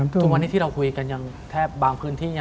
ทุกวันนี้ที่เราคุยกันยังแทบบางพื้นที่